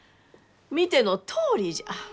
見てのとおりじゃ！